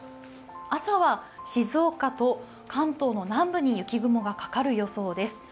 朝は静岡と関東の南部に雪雲がかかる予想です。